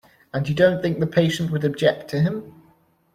And you don't think the patient would object to him?